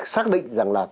xác định rằng là